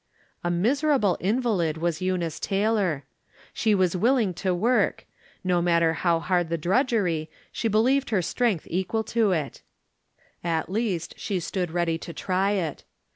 A miserable invalid was Eunice Taylor. She was willing to work ; no matter how hard the drudgery, she believed her strength equal to it — at least, she stood ready to try it.